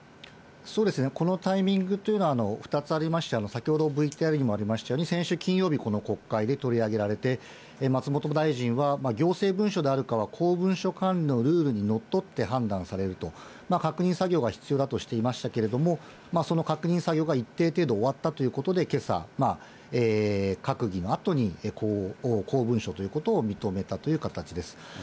そうですね、このタイミングというのは２つありまして、先ほど、ＶＴＲにもありましたように先週金曜日、この国会で取り上げられて、松本大臣は行政文書であるかは公文書管理のルールにのっとって判断されると、確認作業が必要だとしていましたけれども、その確認作業が一定程度終わったということで、けさ、閣議のあとに公文書ということを認めたという形です。